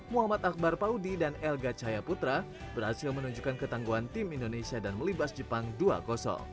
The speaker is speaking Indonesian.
muhammad akbar paudi dan elga cahayaputra berhasil menunjukkan ketangguhan tim indonesia dan melibas jepang dua